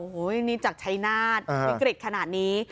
โอ้โหนี่จากชัยนาฏวิกฤตขนาดนี้